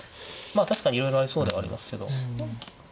まあ確かにいろいろありそうではありますけど。